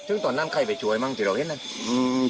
ซึ่งตอนนั้นใครไปช่วยมั้งที่เราเห็นนะอืม